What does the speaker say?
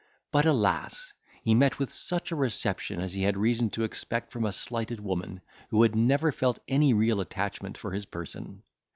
But, alas! he met with such a reception as he had reason to expect from a slighted woman, who had never felt any real attachment for his person.